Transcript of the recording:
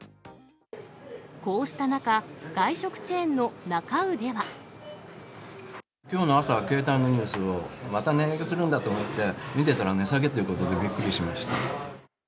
こうした中、きょうの朝、携帯のニュースをまた値上げするんだと思って見てたら、値下げってことでびっくりしました。